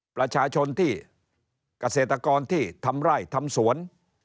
ประชาชนที่เกษตรกรที่ทำไร่ทำสวน